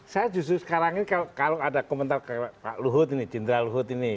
saya justru sekarang ini kalau ada komentar kayak pak luhut ini jenderal luhut ini